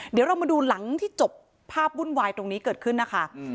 เดี๋ยวเรามาดูหลังที่จบภาพวุ่นวายตรงนี้เกิดขึ้นนะคะ